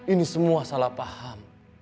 ini semua salah paham